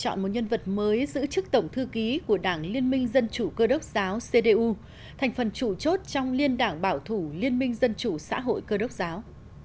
thủ tướng merkel đã lựa chọn một nhân vật mới giữ chức tổng thư ký của đảng liên minh dân chủ cơ đốc giáo cdu thành phần chủ chốt trong liên đảng bảo thủ liên minh dân chủ xã hội cơ đốc giáo